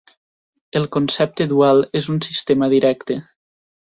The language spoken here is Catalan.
El concepte dual és un sistema directe.